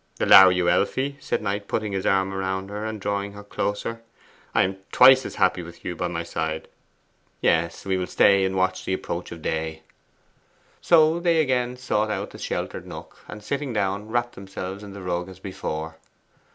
'Allow you, Elfie!' said Knight, putting his arm round her and drawing her closer. 'I am twice as happy with you by my side. Yes: we will stay, and watch the approach of day.' So they again sought out the sheltered nook, and sitting down wrapped themselves in the rug as before.